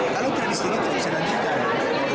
kalau tidak diselinikan diselinikan